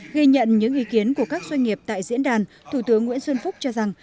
ghi nhận những ý kiến của các doanh nghiệp tại diễn đàn thủ tướng nguyễn xuân phúc cho rằng